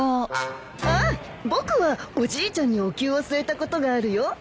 ああ僕はおじいちゃんにおきゅうを据えたことがあるよ。